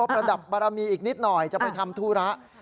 ประดับบารมีอีกนิดหน่อยจะไปทำธุระ